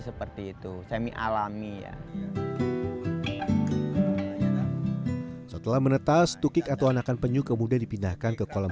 seperti itu semi alami ya setelah menetas tukik atau anakan penyu kemudian dipindahkan ke kolam